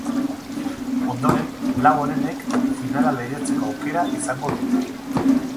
Ondoren, lau onenek finala lehiatzeko aukera izango dute.